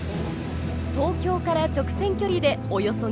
東京から直線距離でおよそ２０００ｋｍ。